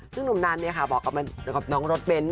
ซึ่งน้องนันบอกกับน้องรถเบ้น